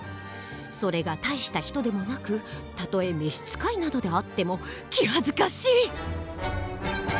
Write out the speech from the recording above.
それが大した人でもなくたとえ召し使いなどであっても気はずかしい」！